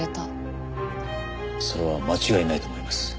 それは間違いないと思います。